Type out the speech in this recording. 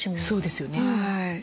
そうですよね。